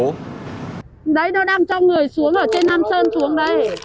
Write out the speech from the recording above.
đấy nó đang cho người xuống ở trên nam sơn xuống đấy